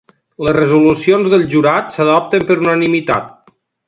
Les resolucions del jurat s'adopten per unanimitat.